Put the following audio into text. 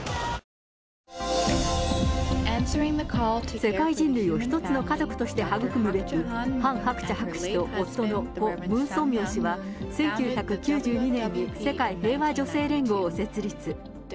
世界人類を一つの家族として育むべく、ハン・ハクチャ博士と夫の故・ムン・ソンミョン氏は、１９９２年に世界平和女性連合を設立。